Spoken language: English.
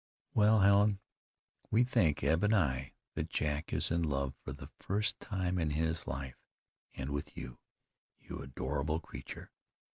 "Well, Helen, we think, Eb and I, that Jack is in love for the first time in his life, and with you, you adorable creature.